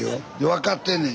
分かってんねん。